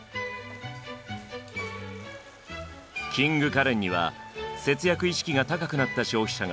キング・カレンには節約意識が高くなった消費者が殺到。